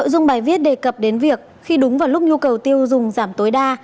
trong bài viết đề cập đến việc khi đúng vào lúc nhu cầu tiêu dùng giảm tối đa